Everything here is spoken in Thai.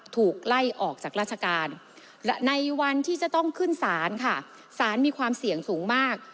ถูกไล่ออกจากราชการในวันที่จะต้องขึ้นศาลค่ะสารมีความเสี่ยงสูงมาก